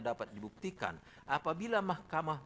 dapat dibuktikan apabila mahkamah